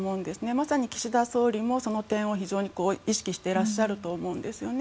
まさに岸田総理もその点を非常に意識してらっしゃると思うんですよね。